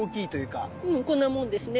うんこんなもんですね。